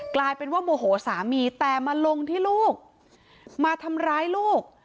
กลายเป็นว่าโมโหสามีแต่มาลงที่ลูกมาทำร้ายลูก